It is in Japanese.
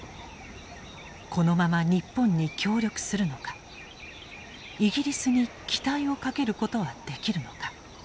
このまま日本に協力するのかイギリスに期待をかけることはできるのか。